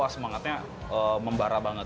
semangatnya membara banget